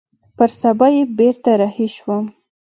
پر سبا يې بېرته رهي سوم.